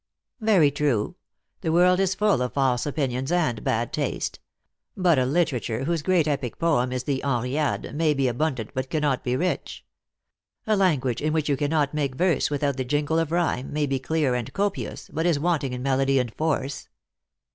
" Yery true. The world is full of false opinions and bad taste. But a literature, whose great epic poem is the Henriade, may be abundant but cannot be rich. A language, in which you cannot make verse without the jingle of rhyme, may be clear and copious, but is wanting in melody and force.